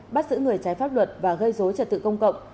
bắt giữ người trái pháp luật và gây dối trật tự công cộng